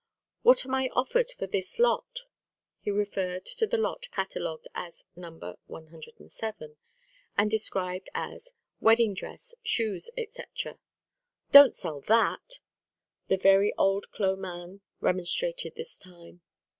"What am I offered for this lot?" He referred to the lot catalogued as "No. 107," and described as "Wedding dress, shoes, etc." "Don't sell that!" The very old clo' man remonstrated this time.